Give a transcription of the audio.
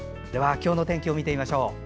今日の天気を見てみましょう。